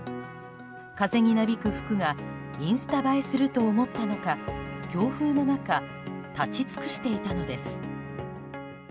風になびく服がインスタ映えすると思ったのか強風の中立ち尽くしていたのです。